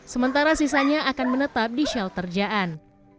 sementara sisanya akan menetap di shelter jaan